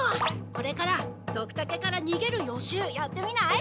これからドクタケからにげる予習やってみない？